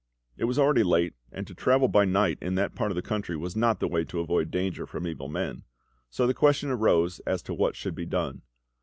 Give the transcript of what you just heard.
It was already late, and to travel by night in that part of the country was not the way to avoid danger from evil men; so the question arose as to what should be done.